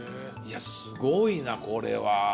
いやすごいなこれは。